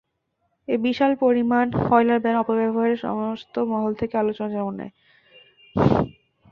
এই বিশাল পরিমাণ কয়লার অপব্যবহার সমস্ত মহল থেকে আলোচনা জন্ম নেয়।